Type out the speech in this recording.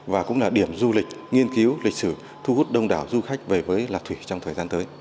và cũng là điểm du lịch nghiên cứu lịch sử thu hút đông đảo du khách về với lạ thủy trong thời gian tới